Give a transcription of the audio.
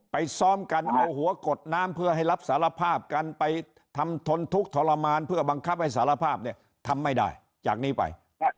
ซ้อมกันเอาหัวกดน้ำเพื่อให้รับสารภาพกันไปทำทนทุกข์ทรมานเพื่อบังคับให้สารภาพเนี่ยทำไม่ได้จากนี้ไป